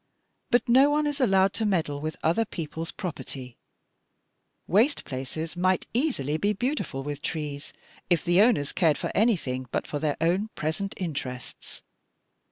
But no one is allowed to meddle with other people's property; waste places might easily be beautified with trees if the owners cared for anything but for their own present interests.